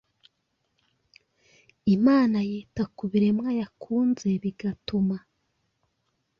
Imana yita ku biremwa yakunze bigatuma